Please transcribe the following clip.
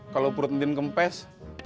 kalo perut din kempes